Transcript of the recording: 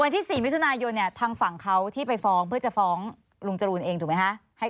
ที่๔มิถุนายนเนี่ยทางฝั่งเขาที่ไปฟ้องเพื่อจะฟ้องลุงจรูนเองถูกไหมคะ